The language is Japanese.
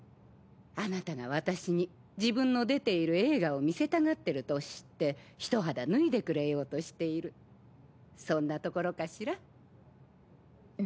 あなたが私に自分の出ている映画を見せたがってると知ってひと肌脱いでくれようとしているそんなところかしら。